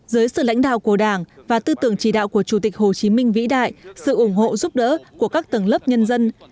dưới sự lãnh đạo của đảng và tư tưởng chỉ đạo của chủ tịch hồ chí minh vĩ đại sự ủng hộ giúp đỡ của các tầng lớp nhân dân